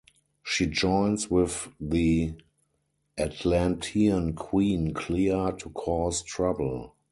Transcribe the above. She joins with the Atlantean Queen Clea to cause trouble.